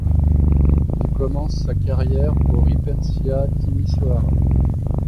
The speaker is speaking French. Il commence sa carrière au Ripensia Timișoara.